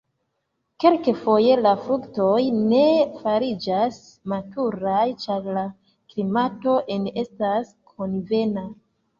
Kelkfoje la fruktoj ne fariĝas maturaj, ĉar la klimato ne estas konvena.